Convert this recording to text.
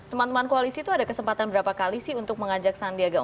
teman teman koalisi itu ada kesempatan berapa kali sih untuk mengajak sandiaga uno